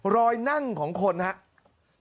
นั่งของคนครับ